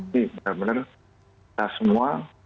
jadi benar benar kita semua